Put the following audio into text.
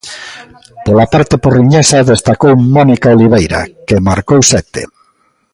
Pola parte porriñesa destacou Mónica Oliveira, que marcou sete.